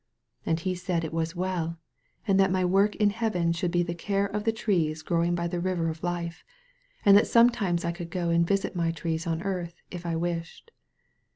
* And He said it was well, and that my work in heaven should be the care of the trees growing by the river of life, and that sometimes I could go back to visit my trees on earth, if I wished.